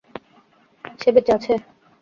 সে বেঁচে আছে?